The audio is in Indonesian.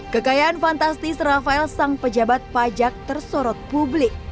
kekayaan fantastis rafael sang pejabat pajak tersorot publik